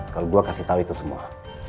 kalau gue kasih tahu itu semua